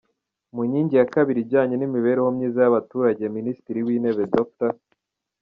Mu nkingi ya kabiri ijyanye n’Imibereho myiza y’Abaturage, Minisitiri w’Intebe, Dr.